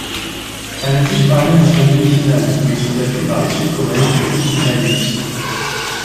Fnatic parvient jusqu'en demi-finale, où ils sont battus par les sud-coréens de Koo Tigers.